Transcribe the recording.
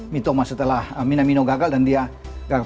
mitoma setelah minamino gagal dan dia gagal